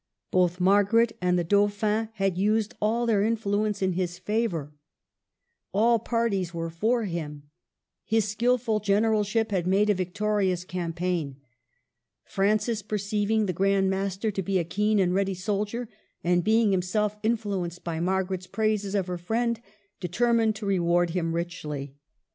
Both Margaret and the Dauphin had used all their influence in his favor. All CHANGES. 173 parties were for him. His skilful generalship had made a victorious campaign. Francis, perceiv ing the Grand Master to be a keen and ready soldier, and being himself influenced by Mar garet's praises of her friend, determined to reward him richly.